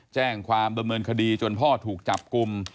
แจ้งความบำเนินคดีจนพ่อถูกจับกลุ่ม